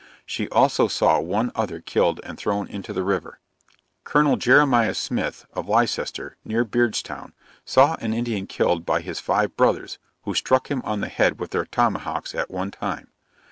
She also saw one other killed and thrown into the river. Col. Jeremiah Smith, of Leicester, near Beard's Town, saw an Indian killed by his five brothers, who struck him on the head with their tomahawks at one time.